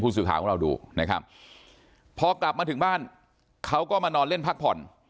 สื่อข่าวของเราดูนะครับพอกลับมาถึงบ้านเขาก็มานอนเล่นพักผ่อน